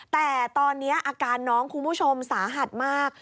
แต่ตอนนี้อาการน้องคุณผู้ชมสาหัสมาก